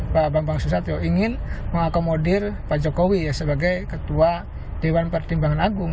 pak bambang susatyo ingin mengakomodir pak jokowi sebagai ketua dewan pertimbangan agung